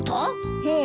ええ。